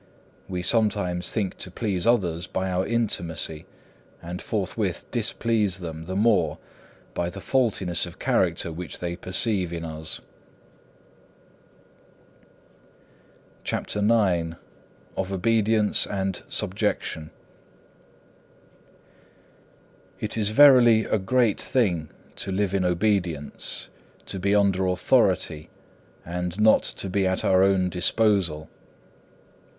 We sometimes think to please others by our intimacy, and forthwith displease them the more by the faultiness of character which they perceive in us. CHAPTER IX Of Obedience and Subjection It is verily a great thing to live in obedience, to be under authority, and not to be at our own disposal.